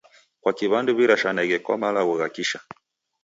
Kwaki w'andu w'irashaneghe kwa malagho gha kisha?